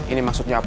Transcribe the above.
ini maksudnya apa